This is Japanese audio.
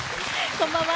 こんばんは。